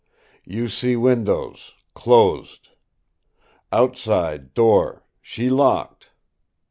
You see windows closed. Outside door she locked.